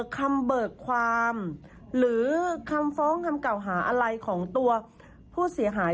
คำเบิกความหรือคำฟ้องคำเก่าหาอะไรของตัวผู้เสียหาย